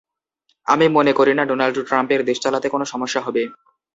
আমি মনে করি না, ডোনাল্ড ট্রাম্পের দেশ চালাতে কোনো সমস্যা হবে।